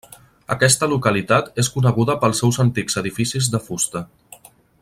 Aquesta localitat és coneguda pels seus antics edificis de fusta.